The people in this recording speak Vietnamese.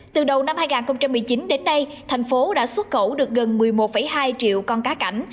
từ đầu năm hai nghìn một mươi chín đến nay thành phố đã xuất khẩu được gần một mươi một hai triệu con cá cảnh